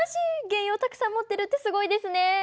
原油をたくさん持ってるってすごいですね。